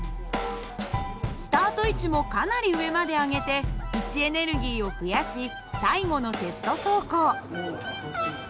スタート位置もかなり上まで上げて位置エネルギーを増やし最後のテスト走行。